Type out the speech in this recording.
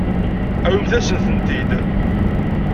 Awimt-asen-ten-id.